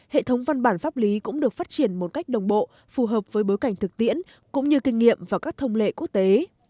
hệ thống văn bản pháp lý cũng được phát triển một cách đồng bộ phù hợp với bối cảnh thực tiễn cũng như kinh nghiệm và các thông lệ quốc tế